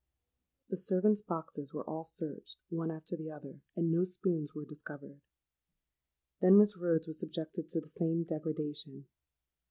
"The servants' boxes were all searched, one after the other; and no spoons were discovered. Then Miss Rhodes was subjected to the same degradation.